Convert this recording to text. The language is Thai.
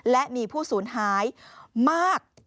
และมีผู้สูญหายมาก